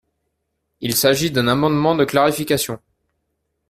Il s’agit d’un amendement de clarification.